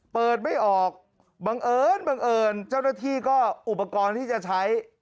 เปิดไม่ออกบังเอิญบังเอิญเจ้าหน้าที่ก็อุปกรณ์ที่จะใช้